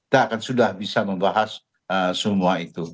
kita akan sudah bisa membahas semua itu